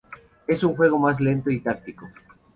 Es un juego más lento y táctico.